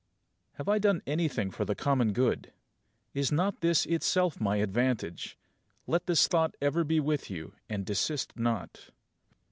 4. Have I done anything for the common good? Is not this itself my advantage? Let this thought be ever with you, and desist not.